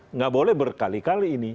nggak boleh berkali kali ini